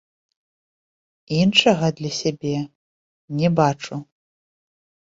Іншага для сябе не бачу.